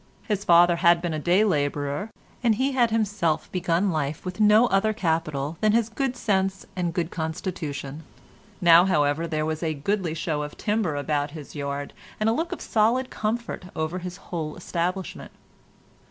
His father had been a day labourer, and he had himself begun life with no other capital than his good sense and good constitution; now, however, there was a goodly show of timber about his yard, and a look of solid comfort over his whole establishment.